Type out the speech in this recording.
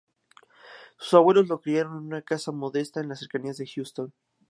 Sus abuelos lo criaron en una casa modesta en las cercanías de Houston.